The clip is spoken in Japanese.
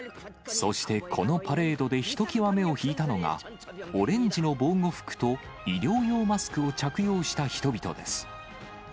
そしてこのパレードでひときわ目を引いたのが、オレンジの防護服と医療用マスクを着用した人々です。